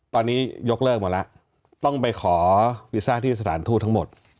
ตอนนี้ยกเลิกหมดแล้วต้องไปขอวีซ่าที่สถานทูตทั้งหมด